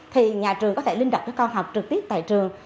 thì nhà trường có thể linh đọc cho con học trực tiếp tại trường